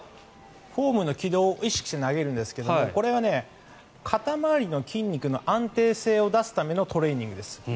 フォームの軌道を意識して投げるんですがこれは肩回りの筋肉の安定性を出すためのトレーニングです。